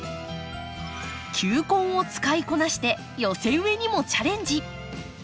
球根を使いこなして寄せ植えにもチャレンジ。